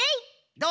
どう？